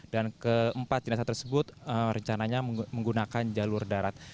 dan keempat jenazah tersebut rencananya menggunakan jalur darat